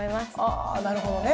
あなるほどね。